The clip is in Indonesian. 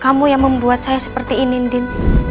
kamu yang membuat saya seperti ini ndin